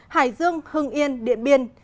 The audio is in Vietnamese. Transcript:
hải dương hưng yên điện biên